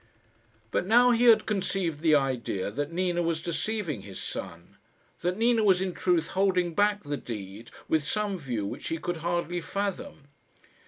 But now he had conceived the idea that Nina was deceiving his son that Nina was in truth holding back the deed with some view which he could hardly fathom.